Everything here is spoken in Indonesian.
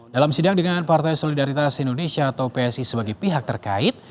dalam sidang dengan partai solidaritas indonesia atau psi sebagai pihak terkait